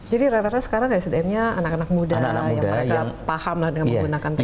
jadi rata rata sekarang sdm nya anak anak muda yang mereka paham dengan menggunakan teknologi